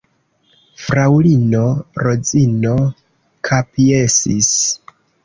Fraŭlino Rozino kapjesis.